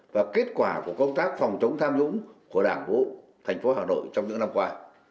và kết quả của công tác phòng chống tham nhũng của đảng bộ thành phố hà nội trong những năm qua